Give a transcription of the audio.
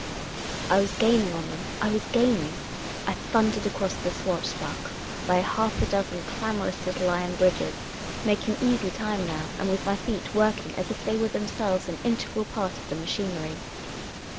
I was gaining on them ; I was gaining ! I thundered across the Schwarzbach, bj* half a dozen clamorous little iron bridges, making easy time now, and with my feet working as if they were themselves an integral part of the machinery.